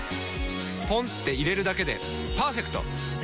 ポンって入れるだけでパーフェクト！